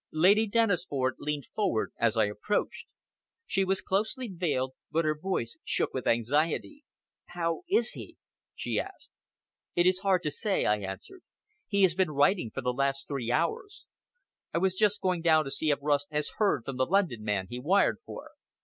Lady Dennisford leaned forward as I approached. She was closely veiled, but her voice shook with anxiety. "How is he?" she asked. "It is hard to say," I answered. "He has been writing for the last three hours. I was just going down to see if Rust has heard from the London man he wired for."